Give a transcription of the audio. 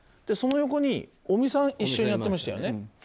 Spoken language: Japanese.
その横に尾身さん一緒にやってましたよね。